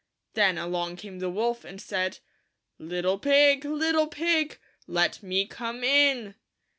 Then along came the wolf, and said, — "Little Pig, Little Pig, Let Me Come In!"